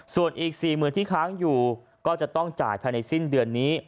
ส่วนอีก๔๐๐๐ที่ค้างอยู่ก็จะต้องจ่ายภายในสิ้นเดือนนี้